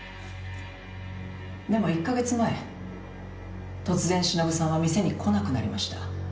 「でも１カ月前突然しのぶさんは店に来なくなりました」